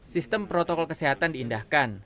sistem protokol kesehatan diindahkan